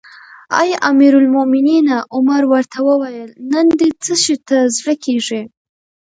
اې امیر المؤمنینه! عمر ورته وویل: نن دې څه شي ته زړه کیږي؟